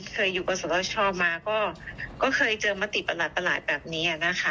เคยอยู่กับก้อสะท้อชอมาก็เคยเจอมติประหลาดแบบนี้